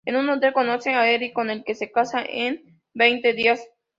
En un hotel conoce a Eric con el que se casa en veinte días.